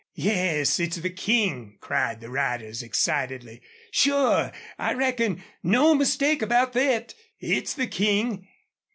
"Yes, it's the King!" cried the riders, excitedly. "Sure! I reckon! No mistake about thet! It's the King!"